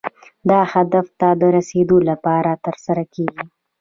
دا هدف ته د رسیدو لپاره ترسره کیږي.